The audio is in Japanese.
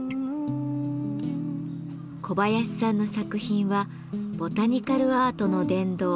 小林さんの作品はボタニカルアートの殿堂